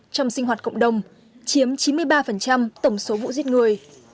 trong sinh hoạt cộng đồng chiếm chín mươi ba tổng số vụ giết người